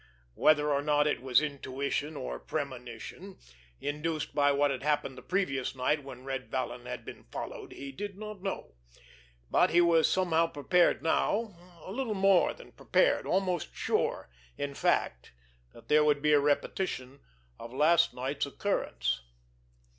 Whether or not it was intuition or premonition, induced by what had happened the previous night when Red Vallon had been followed, he did not know, but he was somehow prepared now, a little more than prepared, almost sure, in fact, that there would be a repetition of last night's occurrence.